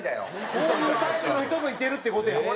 こういうタイプの人もいてるって事や。